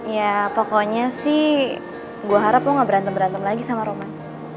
ya pokoknya sih gue harap lo gak berantem berantem lagi sama roman